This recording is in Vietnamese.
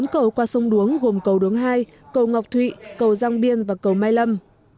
bốn cầu qua sông đuống gồm cầu đuống hai cầu ngọc thụy cầu giang biên và cầu mai lâm